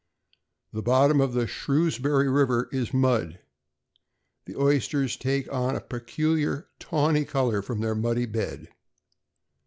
The bottom of the Shrewsbury River is mud; the oysters take on a peculiar tawny color from their muddy bed.